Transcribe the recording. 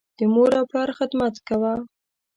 د مور او پلار خدمت کوه.